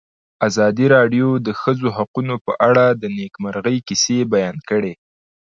ازادي راډیو د د ښځو حقونه په اړه د نېکمرغۍ کیسې بیان کړې.